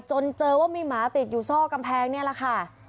จนเจอว่ามีหมาติดอยู่ซ่อกำแพงนี่แหละค่ะ